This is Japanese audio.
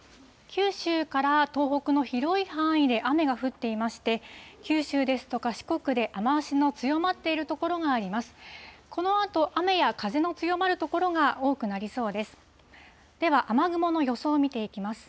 九州から東北の広い範囲で雨が降っていまして、九州ですとか、四国で雨足の強まっている所があります。